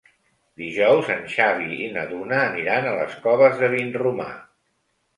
Dijous en Xavi i na Duna aniran a les Coves de Vinromà.